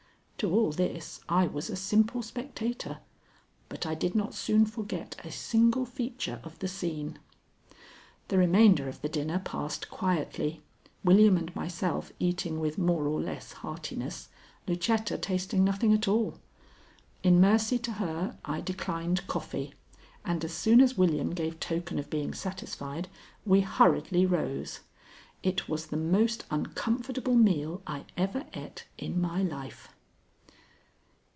To all this I was a simple spectator, but I did not soon forget a single feature of the scene. The remainder of the dinner passed quietly, William and myself eating with more or less heartiness, Lucetta tasting nothing at all. In mercy to her I declined coffee, and as soon as William gave token of being satisfied, we hurriedly rose. It was the most uncomfortable meal I ever ate in my life.